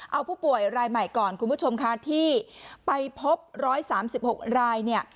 เอาผู้ป่วยรายใหม่ก่อนคุณผู้ชมค่ะที่ไปพบ๑๓๖รายเนี่ย